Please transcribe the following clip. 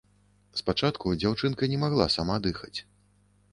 Спачатку дзяўчынка не магла сама дыхаць.